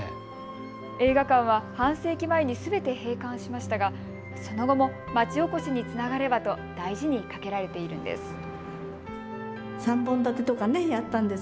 映画館は半世紀前にすべて閉館しましたがその後も街おこしにつながればと大事にかけられているんです。